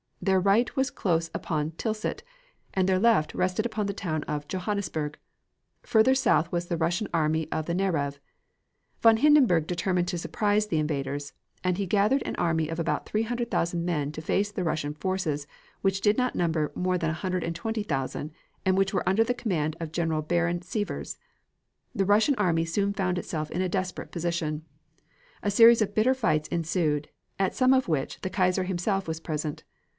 Their right was close upon Tilsit, and their left rested upon the town of Johannisburg. Further south was the Russian army of the Narev. Von Hindenburg determined to surprise the invaders, and he gathered an army of about three hundred thousand men to face the Russian forces which did not number more than a hundred and twenty thousand, and which were under the command of General Baron Sievers. The Russian army soon found itself in a desperate position. A series of bitter fights ensued, at some of which the Kaiser himself was present.